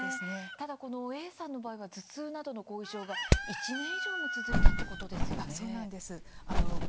ただこのＡさんの場合は頭痛などの後遺症が１年以上も続いたってことですよね。